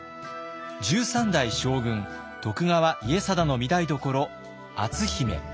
十三代将軍徳川家定の御台所篤姫。